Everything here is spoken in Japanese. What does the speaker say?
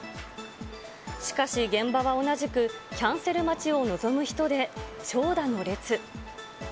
しかし、現場は同じくキャンセル待ちを望む人で長蛇の列。